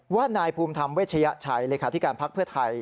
ว่านายภูมิธรรมเวชยชัยเลขาธิการพักเพื่อไทย